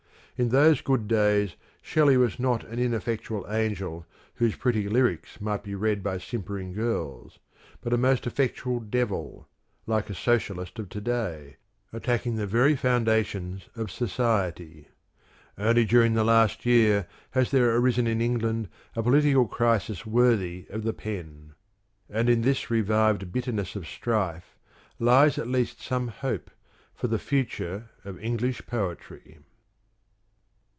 In CRITICAL STUDIES those good days Shelley was not an ineffectual angel whose pretty lyrics might be read by simpering girls, but a most effectual Devil, like a socialist of to day, attacking the very foundations of society. Only during the last year has there arisen in England a political crisis worthy of the pen: and in this revived bitterness of strife lies at least some hope for the future of English poetry.